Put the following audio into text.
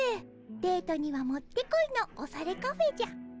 デートにはもってこいのオサレカフェじゃ。